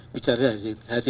bicara dari hati ke hati